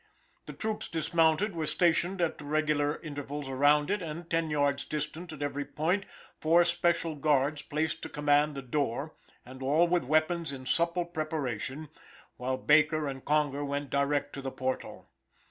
The troops dismounted, were stationed at regular intervals around it, and ten yards distant at every point, four special guards placed to command the door and all with weapons in supple preparation, while Baker and Conger went direct to the portal.